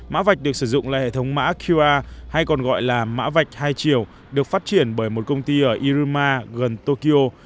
mã vạch được sử dụng là hệ thống mã qr hay còn gọi là mã vạch hai chiều được phát triển bởi một công ty ở iroma gần tokyo